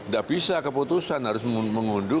gak bisa keputusan harus mengunduh